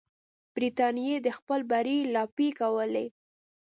برټانیې د خپل بری لاپې کولې.